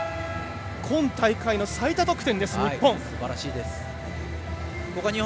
今大会の最多得点、日本。